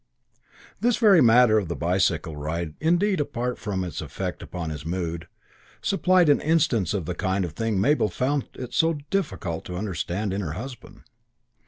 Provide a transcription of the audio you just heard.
II This very matter of the bicycle ride, indeed, apart altogether from its effect upon his mood, supplied an instance of the kind of thing Mabel found it so difficult to understand in her husband.